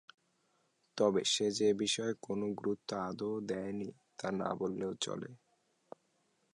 তবে সে যে এ বিষয়ে কোনোই গুরুত্ব আদৌ দেয়নি তা না বললেও চলে।